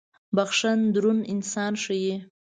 • بخښن دروند انسان ښيي.